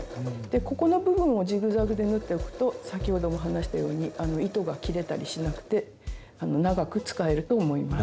でここの部分をジグザグで縫っておくと先ほども話したように糸が切れたりしなくて長く使えると思います。